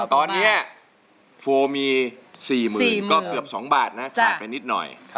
ตอนนี้โฟมี๔๐๐๐ก็เกือบ๒บาทนะขาดไปนิดหน่อย